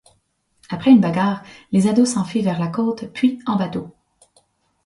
Après une bagarre, les ados s'enfuient vers la côte puis en bateau.